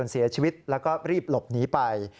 เสียชีวิตแล้วก็รีบหลบหนีไป